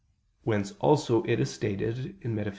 Whence also it is stated (Metaph.